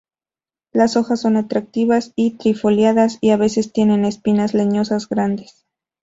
Las hojas son atractivas y trifoliadas y a veces tiene espinas leñosas grandes.